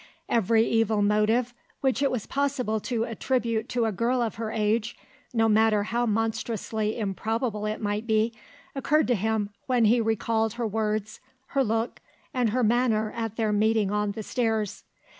Every evil motive which it was possible to attribute to a girl of her age, no matter how monstrously improbable it might be, occurred to him when he recalled her words, her look, and her manner at their meeting on the stairs.